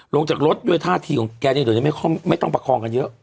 ลงจากรถด้วยท่าทีของแกเนี่ยเดี๋ยวนี้ไม่ต้องประคองกันเยอะ